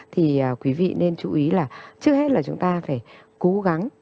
thì quý vị nên chú ý là trước hết là chúng ta phải cố gắng